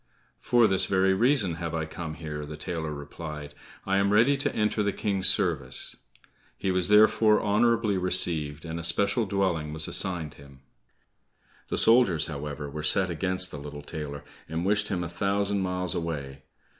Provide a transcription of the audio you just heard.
"For this very reason have I come here," the tailor replied, "I am ready to enter the King's service." He was therefore honorably received and a special dwelling was assigned him. The soldiers, however, were set against the little tailor, and wished him a thousand miles away.